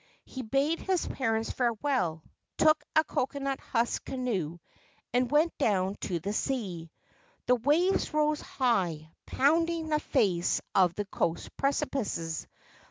He bade his parents farewell, took a coconut husk canoe and went down to the sea. The waves rose high, pounding the face of the coast precipices.